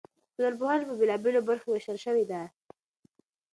ټولنپوهنه په بېلابېلو برخو ویشل شوې ده.